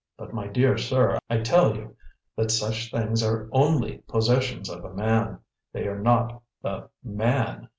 But, my dear sir, I tell you that such things are ONLY possessions of a man. They are not the MAN!